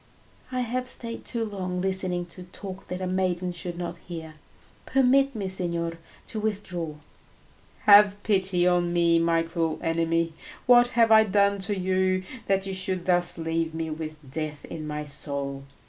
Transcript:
"I have stayed too long listening to talk that a maiden should not hear; permit me, signor, to withdraw." "Have pity on me, my cruel enemy! What have I done to you that you should thus leave me with death in my soul?